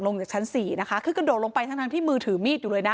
จากชั้นสี่นะคะคือกระโดดลงไปทั้งทั้งที่มือถือมีดอยู่เลยนะ